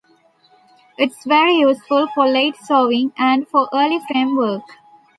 It is very useful for late sowings and for early frame work.